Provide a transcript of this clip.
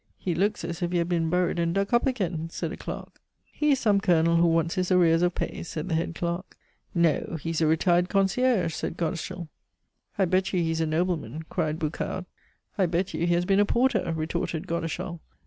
"He looks as if he had been buried and dug up again," said a clerk. "He is some colonel who wants his arrears of pay," said the head clerk. "No, he is a retired concierge," said Godeschal. "I bet you he is a nobleman," cried Boucard. "I bet you he has been a porter," retorted Godeschal.